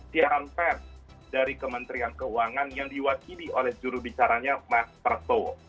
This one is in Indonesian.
siaran pers dari kementerian keuangan yang diwakili oleh jurubicaranya mas prastowo